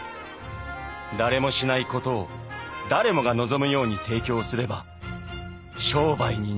「誰もしないことを誰もが望むように提供すれば商売になる」。